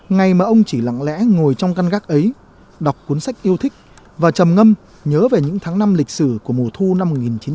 ngày mà ông chỉ lặng lẽ ngồi trong căn gác ấy đọc cuốn sách yêu thích và chầm ngâm nhớ về những tháng năm lịch sử của mùa thu năm một nghìn chín trăm bảy mươi năm